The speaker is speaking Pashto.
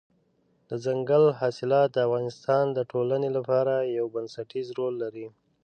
دځنګل حاصلات د افغانستان د ټولنې لپاره یو بنسټيز رول لري.